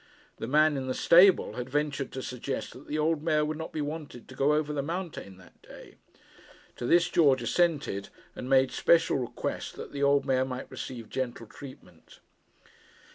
The man in the stable had ventured to suggest that the old mare would not be wanted to go over the mountain that day. To this George assented, and made special request that the old mare might receive gentle treatment.